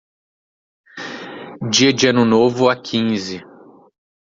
Dia de ano novo a quinze